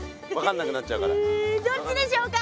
どっちでしょうか？